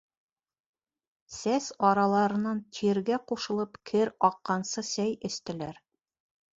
Сәс араларынан тиргә ҡушылып кер аҡҡансы сәй эстеләр.